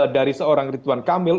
dari seorang ridwan kamil